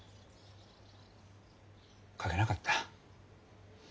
書けなかった。